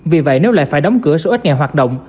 vì vậy nếu lại phải đóng cửa số ít nghề hoạt động